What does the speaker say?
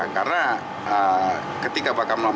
karena ketika bakamla melakukan perubahan